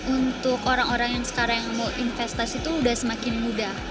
untuk orang orang yang sekarang mau investasi itu sudah semakin mudah